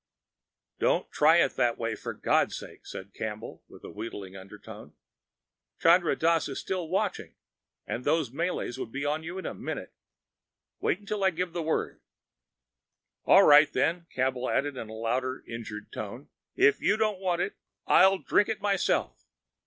"Don't try it that way, for God's sake!" said Campbell in the wheedling undertone. "Chandra Dass is still watching, and those Malays would be on you in a minute. Wait until I give the word. "All right, then," Campbell added in a louder, injured tone. "If you don't want it, I'll drink it myself."